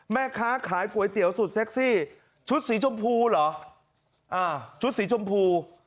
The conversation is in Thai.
แม่ค้าขายก๋วยเตี๋ยวสุดเซ็กซี่ชุดสีชมพูเหรออ่าชุดสีชมพู